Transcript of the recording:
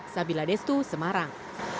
sabila destu semarang